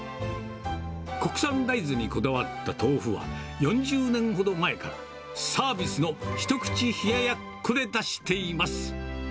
国産大豆にこだわった豆腐は、４０年ほど前から、サービスの一口冷ややっこで出しています。